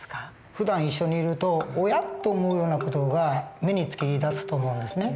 ふだん一緒にいるとおやっと思うような事が目に付きだすと思うんですね。